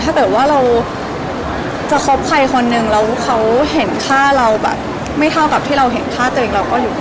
ถ้าเกิดว่าเราจะคบใครคนนึงแล้วเขาเห็นค่าเราแบบไม่เท่ากับที่เราเห็นค่าตัวเองเราก็อยู่